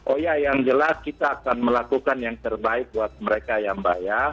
oh ya yang jelas kita akan melakukan yang terbaik buat mereka yang bayar